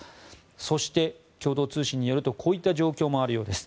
そして、共同通信によるとこういった状況もあるようです。